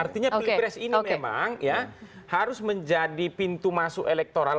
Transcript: artinya pilpres ini memang ya harus menjadi pintu masuk elektoral